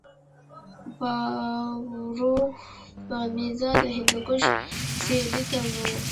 پاروپامیزاد د هندوکش سویل ته و